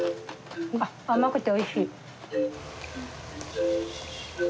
あっ甘くておいしい。